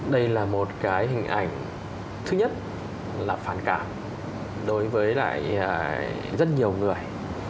đây là một cái hình ảnh thứ nhất là phản cảm đối với lại rất nhiều người